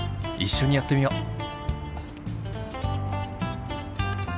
一緒にやってみよう。